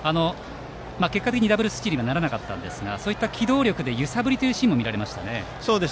結果的にダブルスチールはならなかったですがそういった機動力で揺さぶりというシーンも見られましたね。